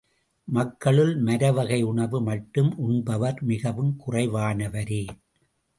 மக்களுள் மரவகை உணவு மட்டும் உண்பவர் மிகவும் குறைவானவரே.